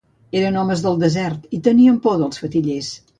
Eren homes del desert i tenien por dels fetillers.